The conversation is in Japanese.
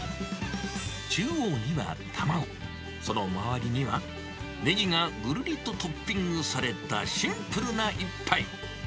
中央には卵、その周りにはネギがぐるりとトッピングされたシンプルな一杯。